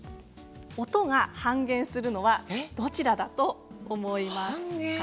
音が半減するのはどちらだと思いますか？